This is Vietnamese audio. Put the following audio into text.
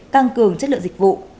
tăng cường chất lượng dịch vụ